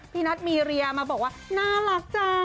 นัทมีเรียมาบอกว่าน่ารักจ้า